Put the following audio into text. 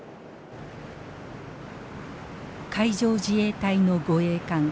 海上自衛隊の護衛艦